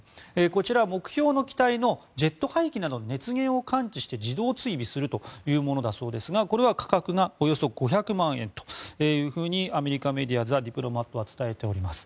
こちら、目標の機体のジェット排気などの熱源を感知して、自動追尾するというものだそうですがこれは価格がおよそ５００万円というふうにアメリカメディア「ザ・ディプロマット」は伝えています。